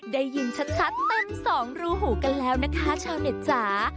ได้ยินชัดเต็มสองรูหูกันแล้วนะคะชาวเน็ตจ๋า